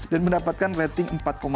dan mendapatkan rating empat sembilan